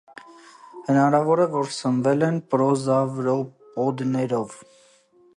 Հնարավորը է, որ սնվել են պրոզավրոպոդներով։